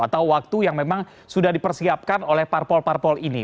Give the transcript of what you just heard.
atau waktu yang memang sudah dipersiapkan oleh parpol parpol ini